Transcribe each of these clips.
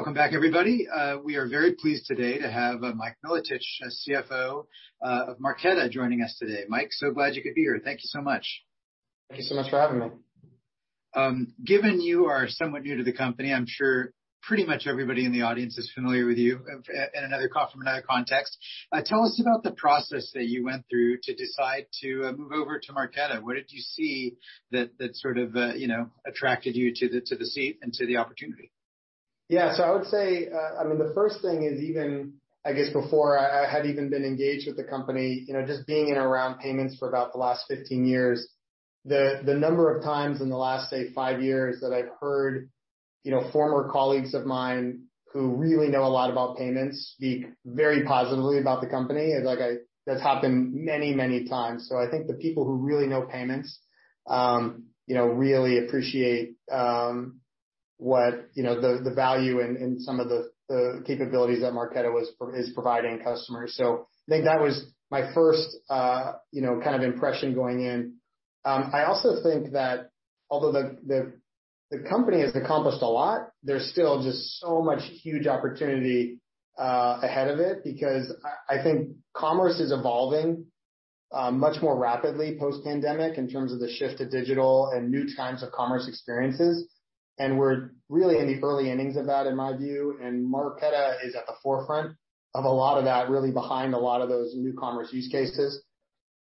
Welcome back, everybody. We are very pleased today to have Mike Milotich, CFO of Marqeta, joining us today. Mike, so glad you could be here. Thank you so much. Thank you so much for having me. Given you are somewhat new to the company, I'm sure pretty much everybody in the audience is familiar with you in another context. Tell us about the process that you went through to decide to move over to Marqeta. What did you see that sort of, you know, attracted you to the seat and to the opportunity? Yeah. I would say, I mean, the first thing is even, I guess, before I had even been engaged with the company, you know, just being in and around payments for about the last 15 years, the number of times in the last, say, five years that I've heard, you know, former colleagues of mine who really know a lot about payments speak very positively about the company. It's like that's happened many times. I think the people who really know payments, you know, really appreciate what, you know, the value and some of the capabilities that Marqeta is providing customers. I think that was my first, you know, kind of impression going in. I also think that although the company has accomplished a lot, there's still just so much huge opportunity ahead of it, because I think commerce is evolving much more rapidly post-pandemic in terms of the shift to digital and new kinds of commerce experiences, and we're really in the early innings of that, in my view. Marqeta is at the forefront of a lot of that, really behind a lot of those new commerce use cases.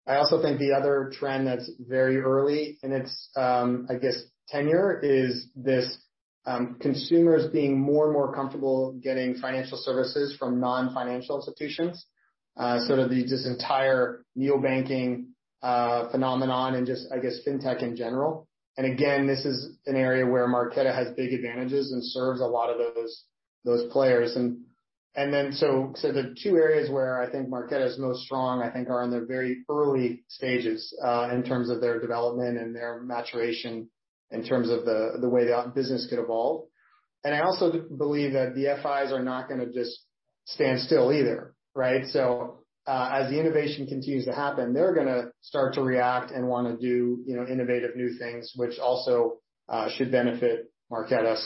I also think the other trend that's very early in its, I guess, tenure is this, consumers being more and more comfortable getting financial services from non-financial institutions. Sort of this entire neobanking phenomenon and just, I guess, fintech in general. Again, this is an area where Marqeta has big advantages and serves a lot of those players. The two areas where I think Marqeta is most strong, I think are in the very early stages, in terms of their development and their maturation in terms of the way the business could evolve. I also believe that the FIs are not gonna just stand still either, right? As the innovation continues to happen, they're gonna start to react and wanna do, you know, innovative new things, which also should benefit Marqeta.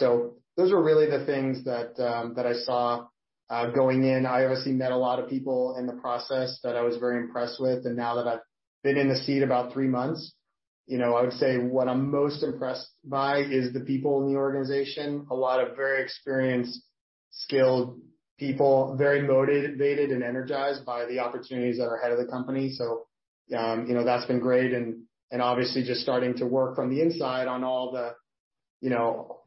Those are really the things that I saw, going in. I obviously met a lot of people in the process that I was very impressed with. Now that I've been in the seat about three months, you know, I would say what I'm most impressed by is the people in the organization. A lot of very experienced, skilled people, very motivated and energized by the opportunities that are ahead of the company. You know, that's been great and obviously just starting to work from the inside on all the, you know,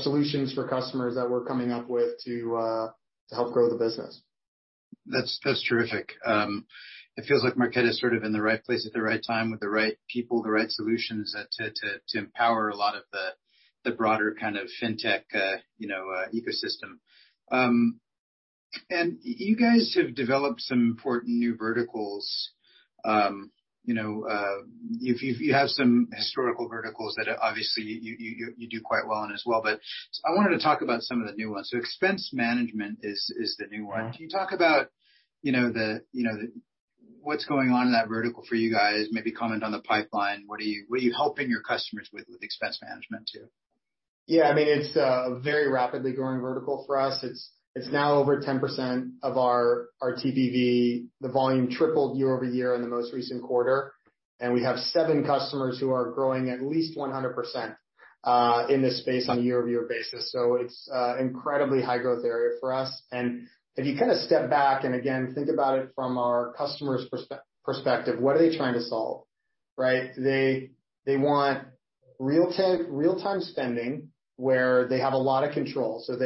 solutions for customers that we're coming up with to help grow the business. That's terrific. It feels like Marqeta is sort of in the right place at the right time with the right people, the right solutions, to empower a lot of the broader kind of fintech, you know, ecosystem. You guys have developed some important new verticals. You know, if you have some historical verticals that, obviously, you do quite well in as well. But I wanted to talk about some of the new ones. Expense management is the new one. Mm-hmm. Can you talk about, you know, what's going on in that vertical for you guys? Maybe comment on the pipeline. What are you helping your customers with expense management too? Yeah. I mean, it's a very rapidly growing vertical for us. It's now over 10% of our TPV. The volume tripled year-over-year in the most recent quarter, and we have seven customers who are growing at least 100%, in this space on a year-over-year basis. It's incredibly high growth area for us. If you kind of step back and again, think about it from our customer's perspective, what are they trying to solve, right? They want real-time spending where they have a lot of control. So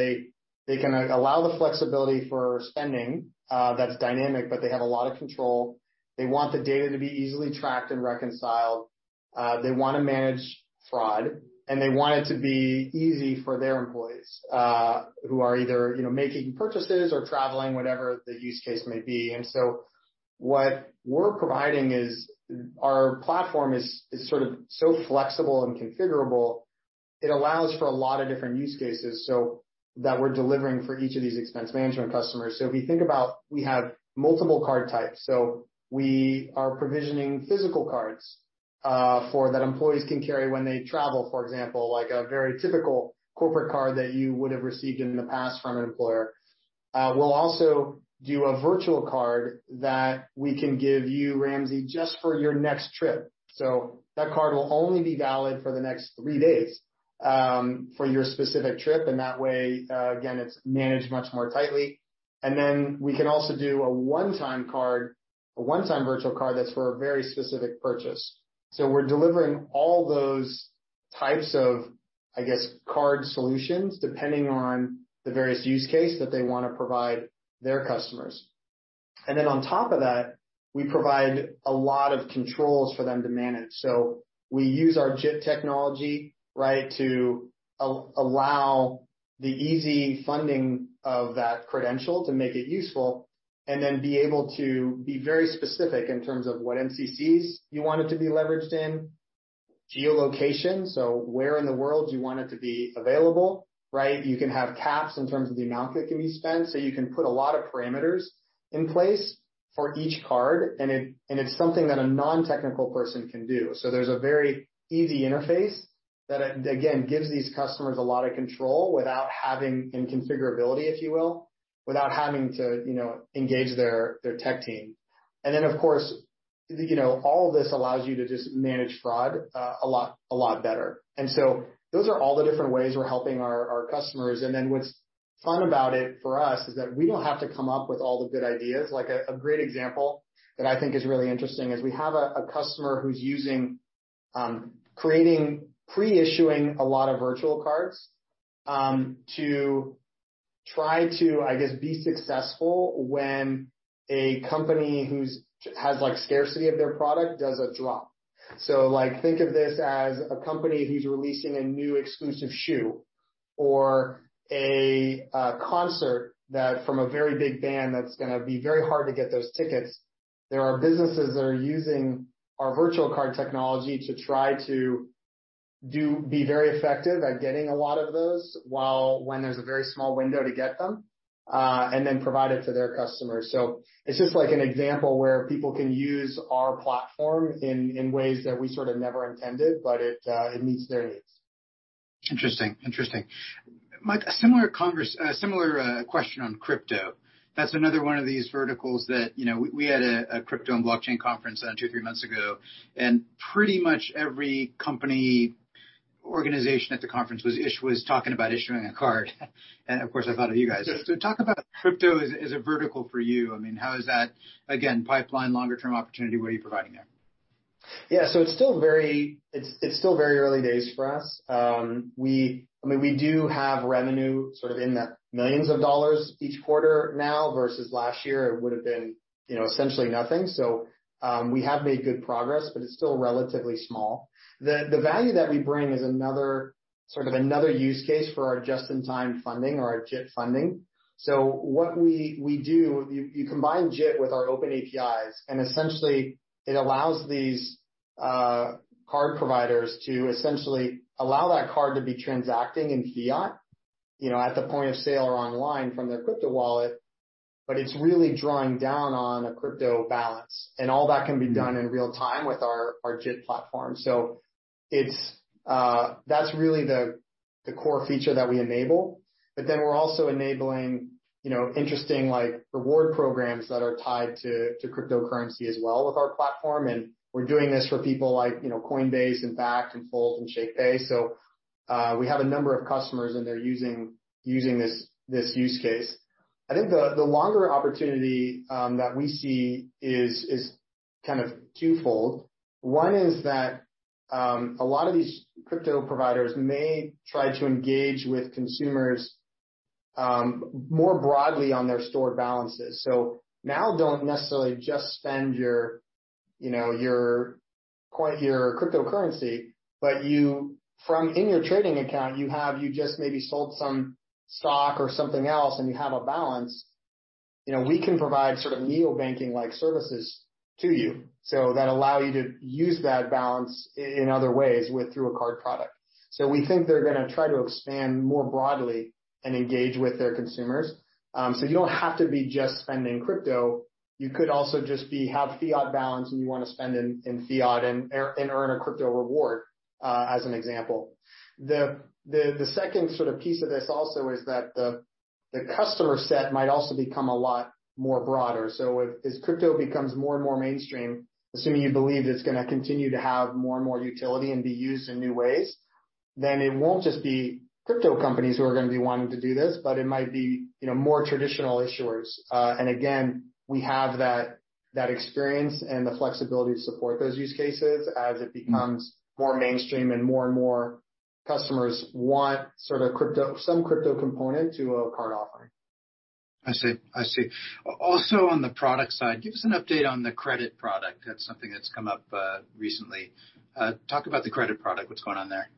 they can allow the flexibility for spending, that's dynamic, but they have a lot of control. They want the data to be easily tracked and reconciled, they wanna manage fraud, and they want it to be easy for their employees, who are either, you know, making purchases or traveling, whatever the use case may be. What we're providing is our platform is sort of so flexible and configurable, it allows for a lot of different use cases, so that we're delivering for each of these expense management customers. If you think about we have multiple card types, so we are provisioning physical cards for that employees can carry when they travel, for example, like a very typical corporate card that you would have received in the past from an employer. We'll also do a virtual card that we can give you, Ramsey, just for your next trip. That card will only be valid for the next three days for your specific trip. That way, again, it's managed much more tightly. We can also do a one-time card, a one-time virtual card that's for a very specific purchase. We're delivering all those types of, I guess, card solutions depending on the various use case that they wanna provide their customers. On top of that, we provide a lot of controls for them to manage. We use our JIT technology, right, to allow the easy funding of that credential to make it useful, and then be able to be very specific in terms of what MCCs you want it to be leveraged in, geolocation, so where in the world you want it to be available, right? You can have caps in terms of the amount that can be spent, so you can put a lot of parameters in place. For each card, and it's something that a non-technical person can do. There's a very easy interface that again gives these customers a lot of control and configurability, if you will, without having to, you know, engage their tech team. Of course, you know, all of this allows you to just manage fraud a lot better. Those are all the different ways we're helping our customers. What's fun about it for us is that we don't have to come up with all the good ideas. Like a great example that I think is really interesting is we have a customer who's using creating pre-issuing a lot of virtual cards to try to, I guess, be successful when a company who has, like, scarcity of their product does a drop. Like, think of this as a company who's releasing a new exclusive shoe or a concert from a very big band that's gonna be very hard to get those tickets. There are businesses that are using our virtual card technology to try to be very effective at getting a lot of those when there's a very small window to get them and then provide it to their customers. It's just like an example where people can use our platform in ways that we sort of never intended, but it meets their needs. Interesting. Mike, a similar question on crypto. That's another one of these verticals that, you know, we had a crypto and blockchain conference two, three months ago, and pretty much every company, organization at the conference was talking about issuing a card. Of course, I thought of you guys. Yes. Talk about crypto as a vertical for you. I mean, how is that again? Pipeline, longer term opportunity, what are you providing there? Yeah. It's still very early days for us. I mean, we do have revenue sort of in the millions of dollars each quarter now versus last year, it would've been, you know, essentially nothing. We have made good progress, but it's still relatively small. The value that we bring is another use case for our Just-in-Time Funding or our JIT funding. What we do, you combine JIT with our open APIs, and essentially it allows these card providers to essentially allow that card to be transacting in fiat, you know, at the point of sale or online from their crypto wallet, but it's really drawing down on a crypto balance, and all that can be done in real time with our JIT platform. That's really the core feature that we enable. We're also enabling, you know, interesting like reward programs that are tied to cryptocurrency as well with our platform. We're doing this for people like, you know, Coinbase and Bakkt and Fold and Shakepay. We have a number of customers, and they're using this use case. I think the longer opportunity that we see is kind of twofold. One is that a lot of these crypto providers may try to engage with consumers more broadly on their stored balances. Now don't necessarily just spend your, you know, your cryptocurrency, but you. From in your trading account, you have. You just maybe sold some stock or something else and you have a balance, you know. We can provide sort of neobanking like services to you. That allow you to use that balance in other ways through a card product. We think they're gonna try to expand more broadly and engage with their consumers. You don't have to be just spending crypto. You could also just be, have fiat balance, and you wanna spend in fiat and earn a crypto reward, as an example. The second sort of piece of this also is that the customer set might also become a lot more broader. As crypto becomes more and more mainstream, assuming you believe it's gonna continue to have more and more utility and be used in new ways, then it won't just be crypto companies who are gonna be wanting to do this, but it might be, you know, more traditional issuers. Again, we have that experience and the flexibility to support those use cases as it becomes more mainstream and more and more customers want sort of crypto, some crypto component to a card offering. I see. Also on the product side, give us an update on the credit product. That's something that's come up recently. Talk about the credit product. What's going on there?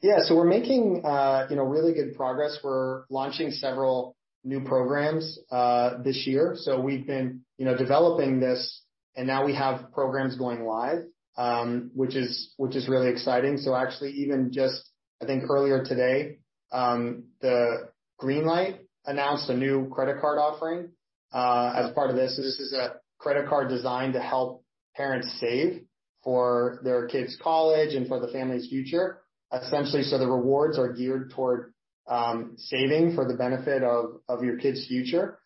Yeah. We're making, you know, really good progress. We're launching several new programs this year. We've been, you know, developing this, and now we have programs going live, which is really exciting. Actually, even just, I think earlier today, the Greenlight announced a new credit card offering as part of this. This is a credit card designed to help parents save for their kids' college and for the family's future. Essentially, the rewards are geared toward saving for the benefit of your kids' future.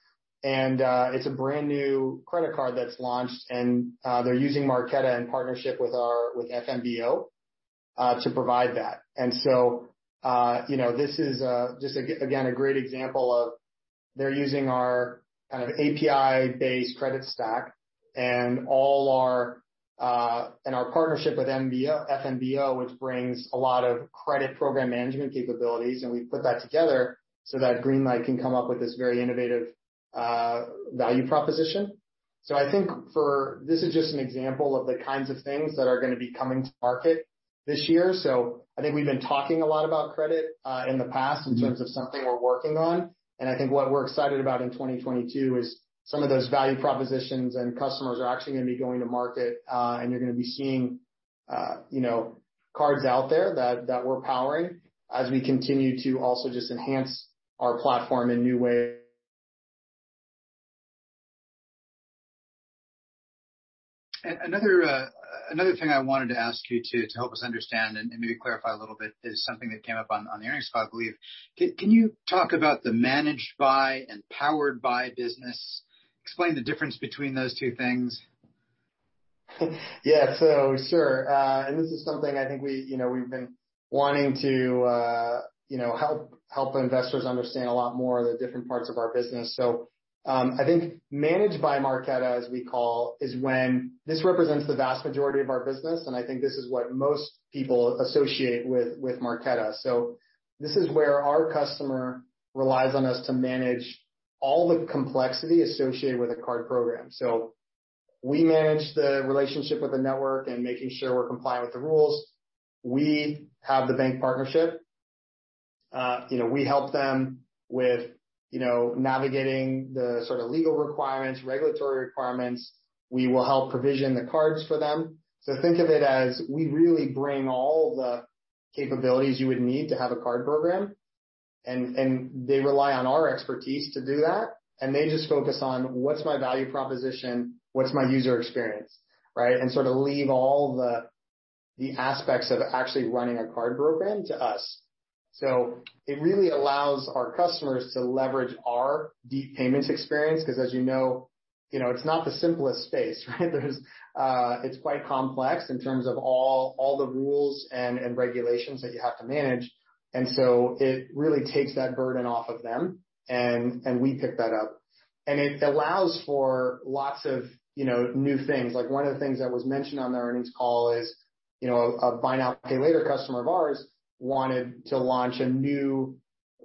It's a brand-new credit card that's launched, and they're using Marqeta in partnership with FNBO to provide that. You know, this is just a great example of they're using our kind of API-based credit stack and our partnership with FNBO, which brings a lot of credit program management capabilities, and we've put that together so that Greenlight can come up with this very innovative value proposition. This is just an example of the kinds of things that are gonna be coming to market this year. I think we've been talking a lot about credit in the past in terms of something we're working on. I think what we're excited about in 2022 is some of those value propositions and customers are actually gonna be going to market, and you're gonna be seeing, you know, cards out there that we're powering as we continue to also just enhance our platform in new way. Another thing I wanted to ask you to help us understand and maybe clarify a little bit is something that came up on the earnings call, I believe. Can you talk about the Managed By and Powered By business? Explain the difference between those two things. Yeah. Sure. This is something I think we, you know, we've been wanting to, you know, help investors understand a lot more of the different parts of our business. I think Managed by Marqeta, as we call, this represents the vast majority of our business, and I think this is what most people associate with Marqeta. This is where our customer relies on us to manage all the complexity associated with a card program. We manage the relationship with the network and making sure we're compliant with the rules. We have the bank partnership. You know, we help them with, you know, navigating the sort of legal requirements, regulatory requirements. We will help provision the cards for them. Think of it as we really bring all the capabilities you would need to have a card program, and they rely on our expertise to do that. They just focus on, "What's my value proposition? What's my user experience?" Right? Sort of leave all the aspects of actually running a card program to us. It really allows our customers to leverage our deep payments experience, 'cause as you know, you know, it's not the simplest space, right? It's quite complex in terms of all the rules and regulations that you have to manage. It really takes that burden off of them, and we pick that up. It allows for lots of, you know, new things. Like one of the things that was mentioned on the earnings call is, you know, a Buy Now, Pay Later customer of ours wanted to launch a new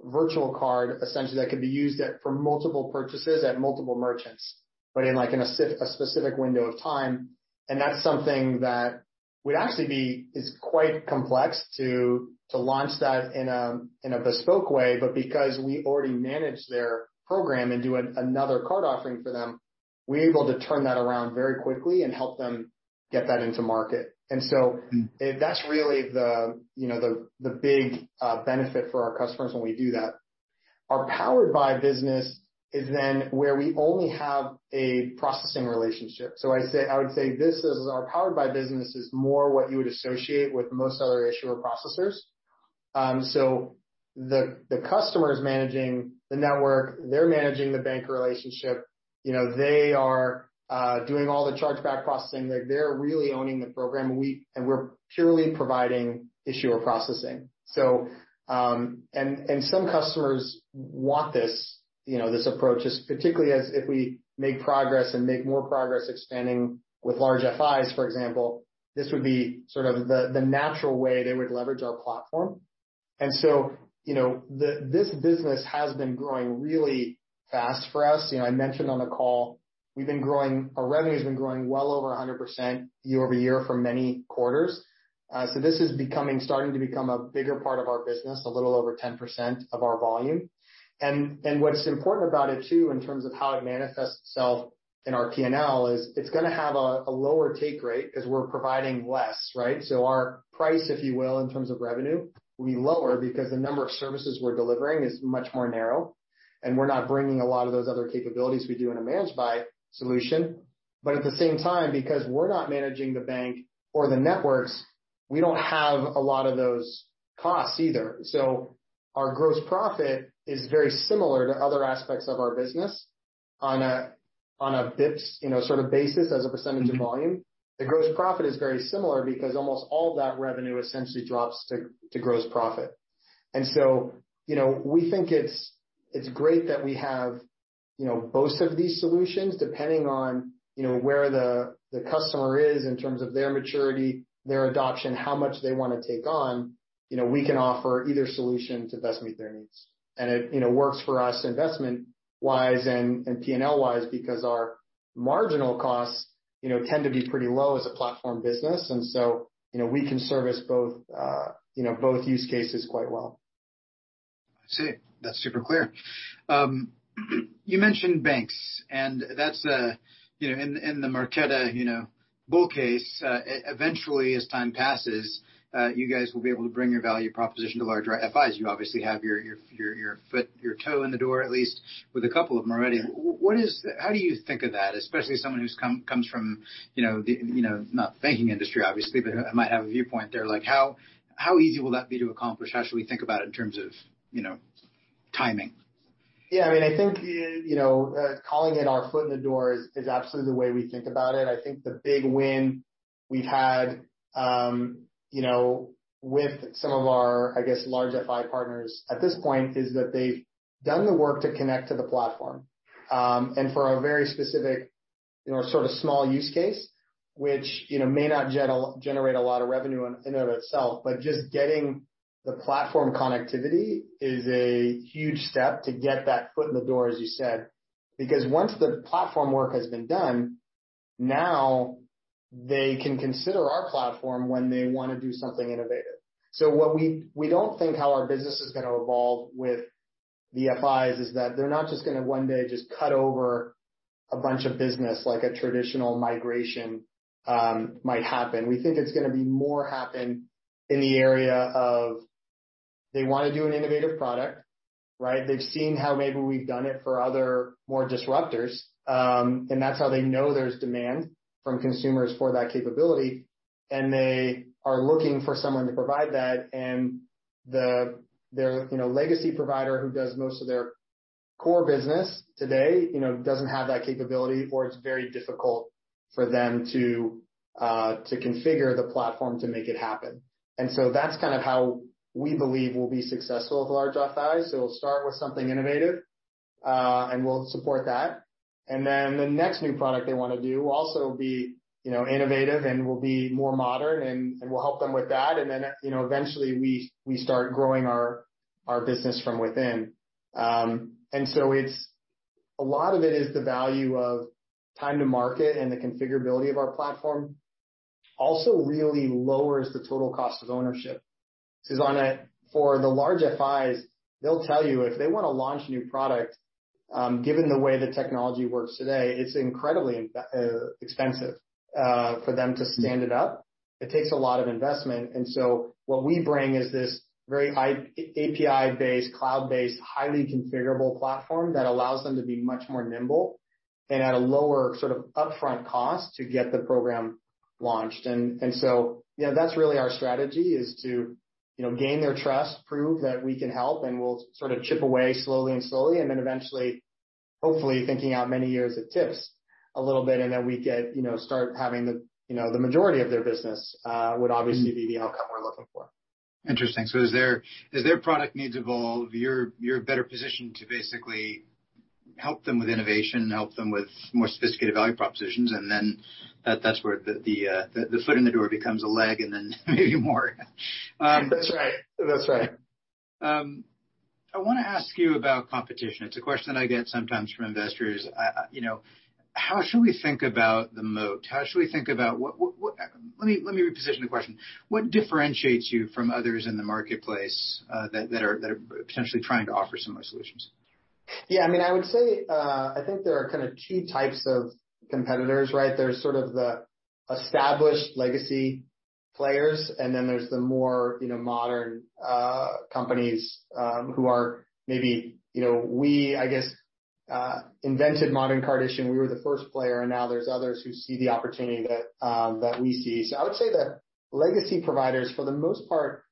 virtual card, essentially, that could be used for multiple purchases at multiple merchants, but in a specific window of time. That's something that would actually be quite complex to launch that in a bespoke way. Because we already manage their program and do another card offering for them, we're able to turn that around very quickly and help them get that into market. That's really the, you know, the big benefit for our customers when we do that. Our Powered By business is then where we only have a processing relationship. I would say this is our Powered By business is more what you would associate with most other issuer processors. The customer is managing the network, they're managing the bank relationship, you know, they are doing all the chargeback processing. Like, they're really owning the program. We're purely providing issuer processing. Some customers want this, you know, this approach, as particularly as if we make progress and make more progress expanding with large FIs, for example, this would be sort of the natural way they would leverage our platform. You know, this business has been growing really fast for us. You know, I mentioned on the call, our revenue's been growing well over 100% year-over-year for many quarters. This is becoming a bigger part of our business, a little over 10% of our volume. What's important about it too, in terms of how it manifests itself in our P&L, is it's gonna have a lower take rate 'cause we're providing less, right? Our price, if you will, in terms of revenue, will be lower because the number of services we're delivering is much more narrow, and we're not bringing a lot of those other capabilities we do in a Managed By solution. At the same time, because we're not managing the bank or the networks, we don't have a lot of those costs either. Our gross profit is very similar to other aspects of our business on a bps, you know, sort of basis as a percentage of volume. The gross profit is very similar because almost all of that revenue essentially drops to gross profit. You know, we think it's great that we have, you know, both of these solutions depending on, you know, where the customer is in terms of their maturity, their adoption, how much they wanna take on, you know, we can offer either solution to best meet their needs. It, you know, works for us investment-wise and P&L-wise because our marginal costs, you know, tend to be pretty low as a platform business. You know, we can service both use cases quite well. I see. That's super clear. You mentioned banks, and that's, you know, in the Marqeta, you know, bull case, eventually, as time passes, you guys will be able to bring your value proposition to larger FIs. You obviously have your toe in the door at least with a couple of them already. How do you think of that, especially someone who comes from, you know, the, you know, not the banking industry obviously, but I might have a viewpoint there. Like, how easy will that be to accomplish? How should we think about it in terms of, you know, timing? Yeah. I mean, I think, you know, calling it our foot in the door is absolutely the way we think about it. I think the big win we've had, you know, with some of our, I guess, large FI partners at this point is that they've done the work to connect to the platform. For a very specific, you know, sort of small use case, which, you know, may not generate a lot of revenue in and of itself, but just getting the platform connectivity is a huge step to get that foot in the door, as you said. Because once the platform work has been done, now they can consider our platform when they wanna do something innovative. We don't think how our business is gonna evolve with the FIs is that they're not just gonna one day just cut over a bunch of business like a traditional migration might happen. We think it's gonna be more happen in the area of they wanna do an innovative product, right? They've seen how maybe we've done it for other more disruptors, and that's how they know there's demand from consumers for that capability, and they are looking for someone to provide that. Their, you know, legacy provider who does most of their core business today, you know, doesn't have that capability, or it's very difficult for them to configure the platform to make it happen. That's kind of how we believe we'll be successful with large FIs. We'll start with something innovative, and we'll support that. The next new product they wanna do will also be, you know, innovative and will be more modern, and we'll help them with that. You know, eventually we start growing our business from within. A lot of it is the value of time to market and the configurability of our platform also really lowers the total cost of ownership. 'Cause for the large FIs, they'll tell you if they wanna launch a new product, given the way the technology works today, it's incredibly expensive for them to stand it up. It takes a lot of investment. What we bring is this very high API-based, cloud-based, highly configurable platform that allows them to be much more nimble and at a lower sort of upfront cost to get the program launched. You know, that's really our strategy, is to, you know, gain their trust, prove that we can help, and we'll sort of chip away slowly, and then eventually, hopefully, thinking out many years, it tips a little bit, and then we get, you know, start having the, you know, the majority of their business, would obviously be the outcome we're looking for. Interesting. As their product needs evolve, you're better positioned to basically help them with innovation and help them with more sophisticated value propositions. That's where the foot in the door becomes a leg and then maybe more. That's right. That's right. I wanna ask you about competition. It's a question I get sometimes from investors. You know, how should we think about the moat? How should we think about what? Let me reposition the question. What differentiates you from others in the marketplace that are potentially trying to offer similar solutions? Yeah, I mean, I would say, I think there are kinda two types of competitors, right? There's sort of the established legacy players, and then there's the more, you know, modern companies, who are maybe, you know, we, I guess, invented modern card issuing. We were the first player, and now there's others who see the opportunity that we see. I would say the legacy providers, for the most part,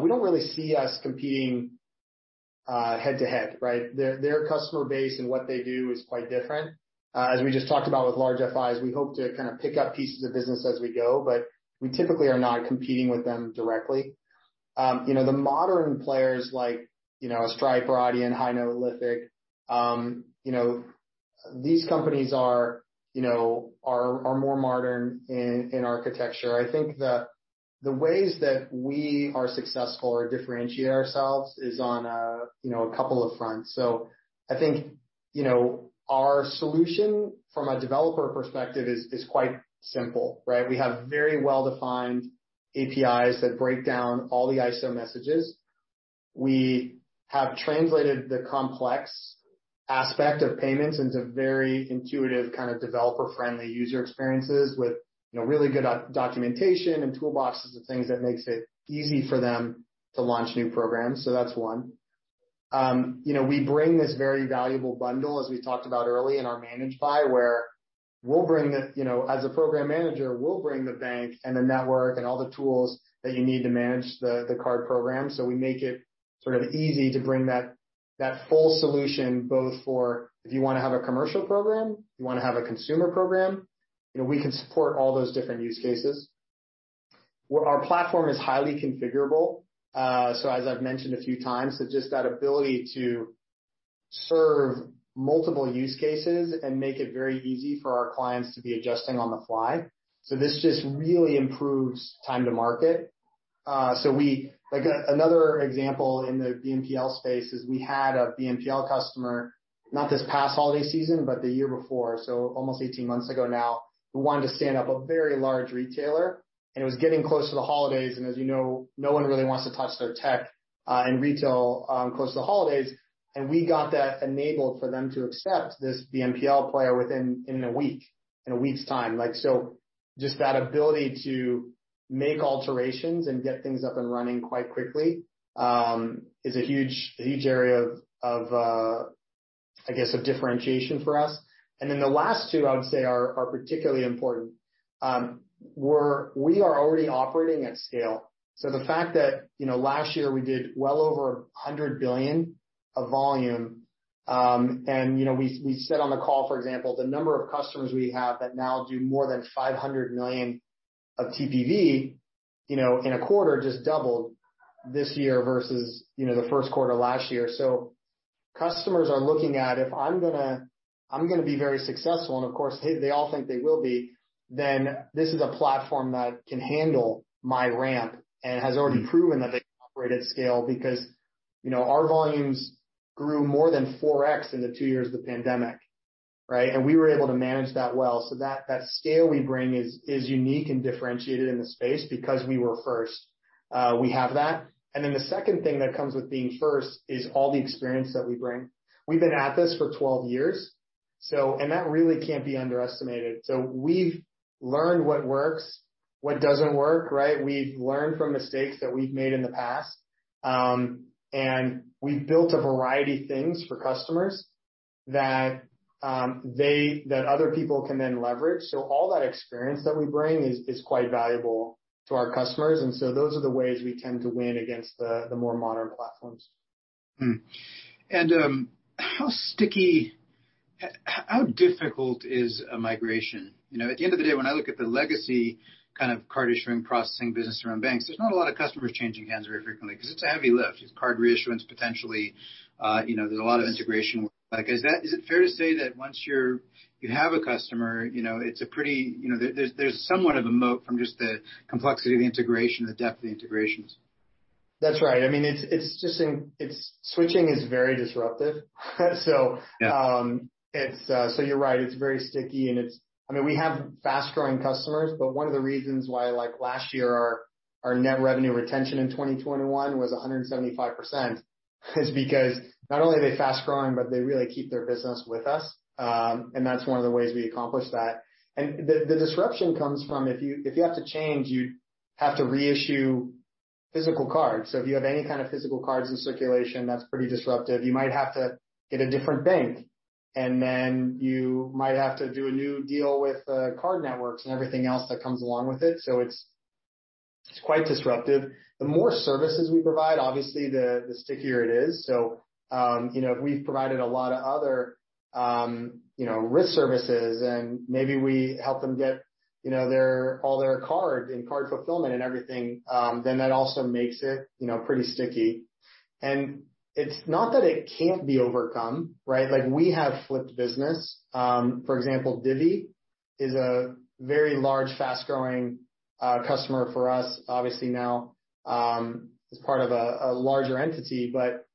we don't really see us competing head to head, right? Their customer base and what they do is quite different. As we just talked about with large FIs, we hope to kind of pick up pieces of business as we go, but we typically are not competing with them directly. You know, the modern players like, you know, Stripe or Adyen, Highnote, Lithic, you know, these companies are, you know, more modern in architecture. I think the ways that we are successful or differentiate ourselves is on, you know, a couple of fronts. I think, you know, our solution from a developer perspective is quite simple, right? We have very well-defined APIs that break down all the ISO messages. We have translated the complex aspect of payments into very intuitive kind of developer-friendly user experiences with, you know, really good documentation and toolboxes and things that makes it easy for them to launch new programs. That's one. You know, we bring this very valuable bundle, as we talked about early in our Managed By, where we'll bring the, you know, as a program manager, we'll bring the bank and the network and all the tools that you need to manage the card program. We make it sort of easy to bring that full solution, both for if you wanna have a commercial program, you wanna have a consumer program. You know, we can support all those different use cases. Our platform is highly configurable. As I've mentioned a few times, so just that ability to serve multiple use cases and make it very easy for our clients to be adjusting on the fly. This just really improves time to market. So we. Like another example in the BNPL space is we had a BNPL customer, not this past holiday season, but the year before, so almost 18 months ago now. We wanted to stand up a very large retailer, and it was getting close to the holidays, and as you know, no one really wants to touch their tech in retail close to the holidays. We got that enabled for them to accept this BNPL player within a week's time. Like, so just that ability to make alterations and get things up and running quite quickly is a huge area of, I guess, differentiation for us. The last two I would say are particularly important. We are already operating at scale. The fact that, you know, last year we did well over $100 billion of volume, and, you know, we said on the call, for example, the number of customers we have that now do more than 500 million of TPV, you know, in a quarter just doubled this year versus, you know, the first quarter last year. Customers are looking at, if I'm gonna be very successful, and of course, they all think they will be, then this is a platform that can handle my ramp and has already proven that they can operate at scale because, you know, our volumes grew more than 4x in the two years of the pandemic. Right? We were able to manage that well. That scale we bring is unique and differentiated in the space because we were first. We have that. Then the second thing that comes with being first is all the experience that we bring. We've been at this for 12 years. That really can't be underestimated. We've learned what works, what doesn't work, right? We've learned from mistakes that we've made in the past. We've built a variety of things for customers that other people can then leverage. All that experience that we bring is quite valuable to our customers. Those are the ways we tend to win against the more modern platforms. How sticky, how difficult is a migration? You know, at the end of the day, when I look at the legacy kind of card issuing processing business around banks, there's not a lot of customers changing hands very frequently because it's a heavy lift. It's card reissuance, potentially, you know, there's a lot of integration. Like, is that? Is it fair to say that once you have a customer, you know, it's a pretty. You know, there's somewhat of a moat from just the complexity of the integration, the depth of the integrations. That's right. I mean, it's switching is very disruptive. You're right, it's very sticky, and I mean, we have fast-growing customers, but one of the reasons why, like, last year, our Net Revenue Retention in 2021 was 175% is because not only are they fast-growing, but they really keep their business with us. That's one of the ways we accomplish that. The disruption comes from if you have to change, you have to reissue physical cards. If you have any kind of physical cards in circulation, that's pretty disruptive. You might have to get a different bank, and then you might have to do a new deal with the card networks and everything else that comes along with it. It's quite disruptive. The more services we provide, obviously the stickier it is. You know, if we've provided a lot of other, you know, risk services and maybe we help them get, you know, all their cards and card fulfillment and everything, then that also makes it, you know, pretty sticky. It's not that it can't be overcome, right? Like, we have flipped business. For example, Divvy is a very large, fast-growing customer for us, obviously now is part of a larger entity, but,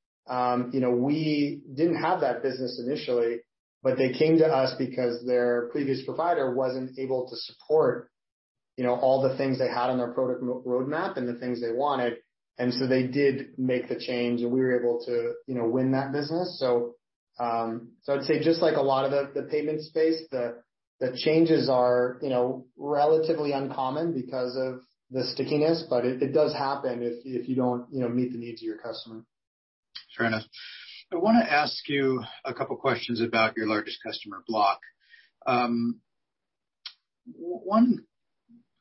you know, we didn't have that business initially, but they came to us because their previous provider wasn't able to support, you know, all the things they had on their product roadmap and the things they wanted. They did make the change, and we were able to, you know, win that business. I'd say just like a lot of the payment space, the changes are, you know, relatively uncommon because of the stickiness, but it does happen if you don't, you know, meet the needs of your customer. Fair enough. I wanna ask you a couple questions about your largest customer, Block. One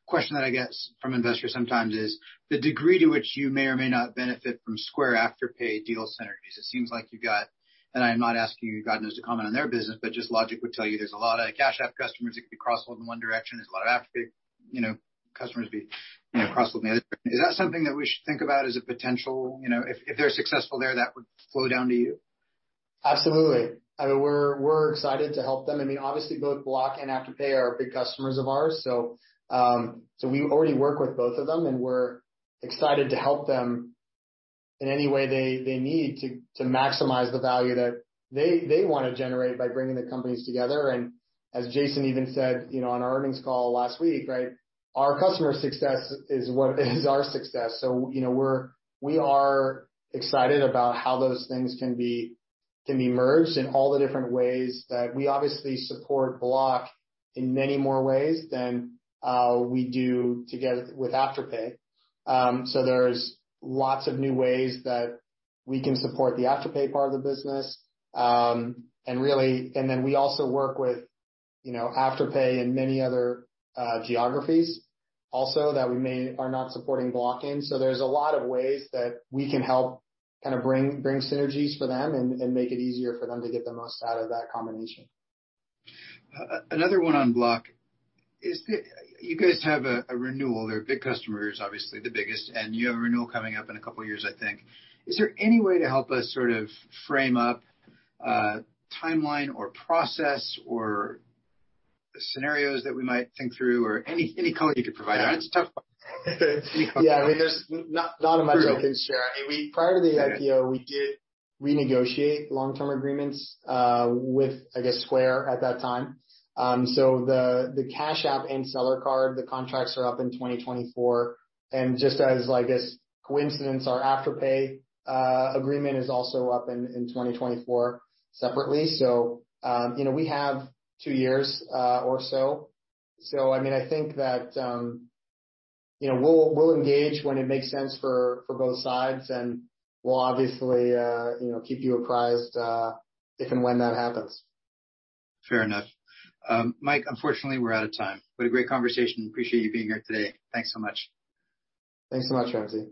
question that I get from investors sometimes is the degree to which you may or may not benefit from Square/Afterpay deal synergies. It seems like you've got, and I'm not asking you, God knows, to comment on their business, but just logic would tell you there's a lot of Cash App customers that could be cross-sold in one direction. you know, customers, you know, cross-sold in the other direction. Is that something that we should think about as a potential? You know, if they're successful there, that would flow down to you. Absolutely. I mean, we're excited to help them. I mean, obviously, both Block and Afterpay are big customers of ours, so we already work with both of them, and we're excited to help them in any way they need to maximize the value that they wanna generate by bringing the companies together. As Jason even said, you know, on our earnings call last week, right, our customer success is what is our success. You know, we are excited about how those things can be merged in all the different ways that we obviously support Block in many more ways than we do together with Afterpay. So there's lots of new ways that we can support the Afterpay part of the business. We also work with, you know, Afterpay in many other geographies also that we are not supporting Block in. There's a lot of ways that we can help kind of bring synergies for them and make it easier for them to get the most out of that combination. Another one on Block. You guys have a renewal. They're big customers, obviously the biggest, and you have a renewal coming up in a couple of years, I think. Is there any way to help us sort of frame up timeline or process or scenarios that we might think through or any color you could provide? I know it's a tough one. Yeah. I mean, there's not much I can share. I mean, prior to the IPO, we did renegotiate long-term agreements with, I guess, Square at that time. So the Cash App and seller card, the contracts are up in 2024. Just as, I guess, coincidence, our Afterpay agreement is also up in 2024 separately. You know, we have two years or so. I mean, I think that, you know, we'll engage when it makes sense for both sides, and we'll obviously, you know, keep you apprised if and when that happens. Fair enough. Mike, unfortunately, we're out of time. What a great conversation. Appreciate you being here today. Thanks so much. Thanks so much, Ramsey.